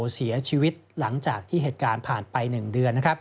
เสียชีวิตหลังจากที่เหตุการณ์ผ่านไป๑เดือน